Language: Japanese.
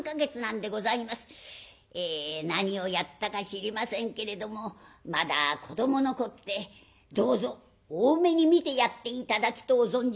え何をやったか知りませんけれどもまだ子どものこってどうぞ大目に見てやって頂きとう存じますが」。